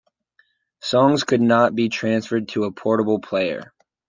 Songs could not be transferred to a portable player.